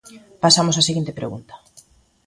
Pasamos á seguinte pregunta.